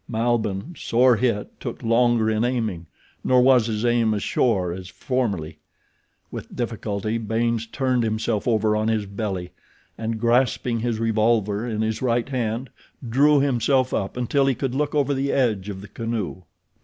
Malbihn, sore hit, took longer in aiming, nor was his aim as sure as formerly. With difficulty Baynes turned himself over on his belly and grasping his revolver in his right hand drew himself up until he could look over the edge of the canoe.